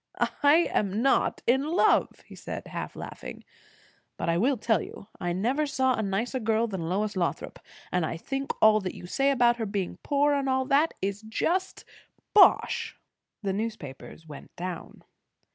"I am not in love," he said, half laughing. "But I will tell you, I never saw a nicer girl than Lois Lothrop. And I think all that you say about her being poor, and all that, is just bosh." The newspapers went down.